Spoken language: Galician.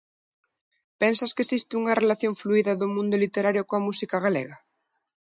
Pensas que existe unha relación fluída do mundo literario coa música galega?